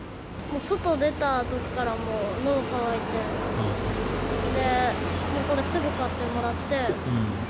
外出たときから、もうのど渇いて、もうこれ、すぐ買ってもらって。